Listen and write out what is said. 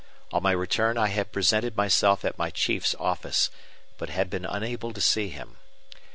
On my return I had presented myself at my chief's office, but had been unable to see him.